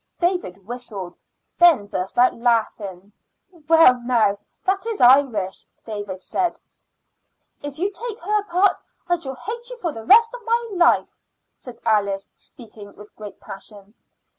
David whistled. Ben burst out laughing. "Well, now that is Irish," David said. "If you take her part I shall hate you all the rest of my life," said Alice, speaking with great passion.